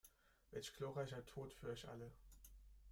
Welch glorreicher Tod für euch alle!